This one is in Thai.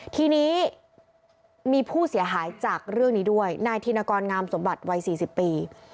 ทีนี้มีผู้เสียหายจากเรื่องนี้ด้วยนายธินกรงามสมบัติวัย๔๐ปี